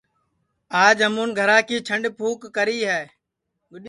آج ہمون گھرا کی جھڈؔ پُھوک کری ہے